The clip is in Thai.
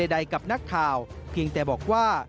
ใดกับนักข่าวเพียงแต่บอกว่า